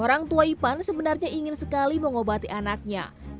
orang tua ipan sebenarnya ingin sekali mengobati anaknya